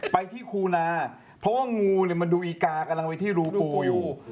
ไปที่คูนาเพราะว่างูเนี่ยมันดูอีกากำลังไปที่รูปูอยู่